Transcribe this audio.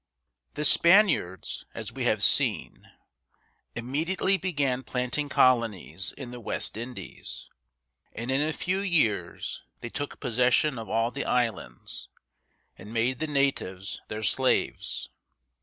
The Spaniards, as we have seen, immediately began planting colonies in the West Indies, and in a few years they took possession of all the islands, and made the natives their slaves.